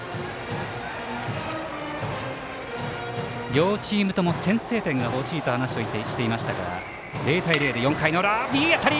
両チームとも先制点がほしいと話をしていましたが０対０で４回の裏。